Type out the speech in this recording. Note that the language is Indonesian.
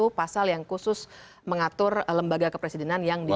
jadi ada pasal yang khusus mengatur lembaga kepresidenan yang dihintar